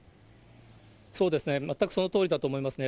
そうですね、全くそのとおりだと思いますね。